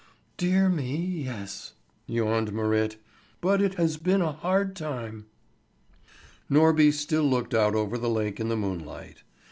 "Dear me, yes!" yawned Marit. "But it has been a hard time." Norby still looked out over the lake in the moonlight.